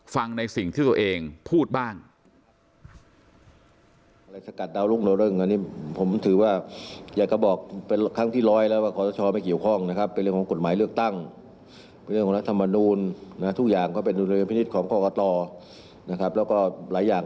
ฟังในสิ่งที่ตัวเองพูดบ้าง